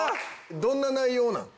どんな内容なん？